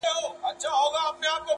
ډېر ژور سمبول دی-